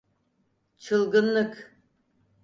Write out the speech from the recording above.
Çılgınlık…